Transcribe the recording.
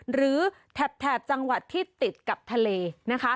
แถบจังหวัดที่ติดกับทะเลนะคะ